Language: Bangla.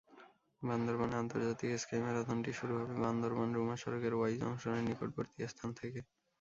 বান্দরবানে আন্তর্জাতিক স্কাই ম্যারাথনটি শুরু হবে বান্দরবান-রুমা সড়কের ওয়াই জংশনের নিকটবর্তী স্থান থেকে।